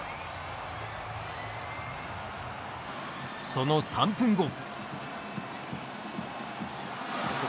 その３分後。